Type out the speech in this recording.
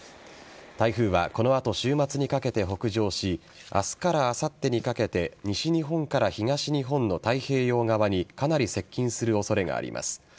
台風はこの後週末にかけて北上し明日からあさってにかけて西日本から東日本の太平洋側にかなり接近する恐れがあります。